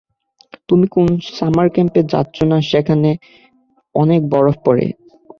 তুমি কোন সামার ক্যাম্পে যাচ্ছো না সেখানে অনেক বরফ পরে।